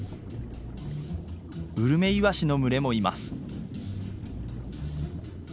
ウルメイワシの群れもいます。